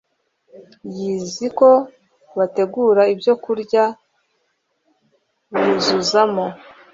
yiziko bategura ibyokurya buzuzamo